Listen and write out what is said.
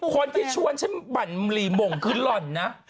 คนที่ชวนฉันบั่นหลีมงคือหล่อนนะ